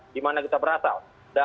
di mana kita berasal